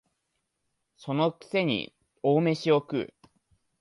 その癖に大飯を食う